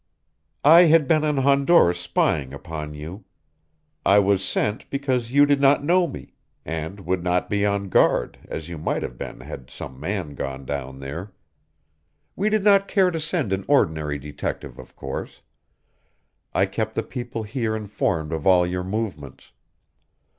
"I had been in Honduras spying upon you. I was sent because you did not know me, and would not be on guard, as you might have been, had some man gone down there. We did not care to send an ordinary detective, of course. I kept the people here informed of all your movements.